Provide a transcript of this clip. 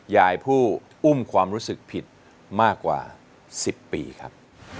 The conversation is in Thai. ผู้อุ้มความรู้สึกผิดมากกว่า๑๐ปีครับ